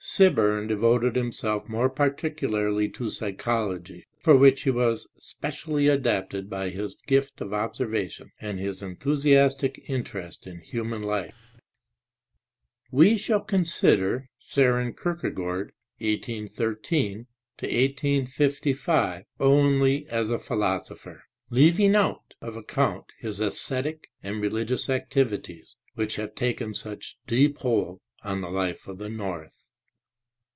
Sibbcrn devoted himself more particularly to psychology, for which he was specially adapted by his gift of observation and his enthusiastic interest in human life. We shall consider Sorcn Kierkegaard (1813 1855) only as a philosopher, leaving out of account his aesthetic and religious activities, which have taken such deep hold on the life of the North.